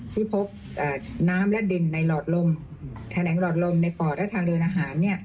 ที่พบน้ำและดินในหลอดลมแถลงหลอดลมในปอดและทางเดินอาหาร